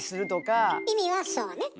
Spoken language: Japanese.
意味はそうね。